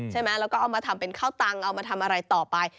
ใช่ไหมแล้วก็เอามาทำเป็นข้าวตังค์เอามาทำอะไรต่อไป